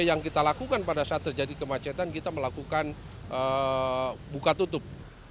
yang kita lakukan pada saat terjadi kemacetan kita melakukan buka tutup